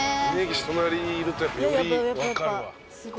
峯岸隣にいるとより分かるわ。